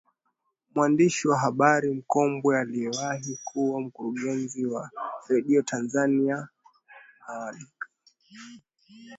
Mwandishi wa habari mkongwe aliyewahi kuwa Mkurugenzi wa Radio Tanzania Ngwanakilala